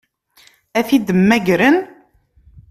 Ad t-id-mmagren?